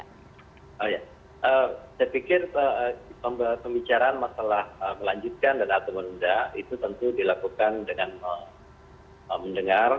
saya pikir pembicaraan masalah melanjutkan dan atau menunda itu tentu dilakukan dengan mendengar